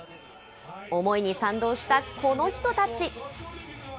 思いに賛同したこの人たち。